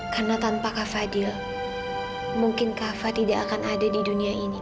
karena tanpa kak fadil mungkin kak fadil tidak akan ada di dunia ini